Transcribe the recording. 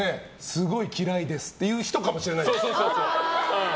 すごい嫌いですっていう人かもしれない。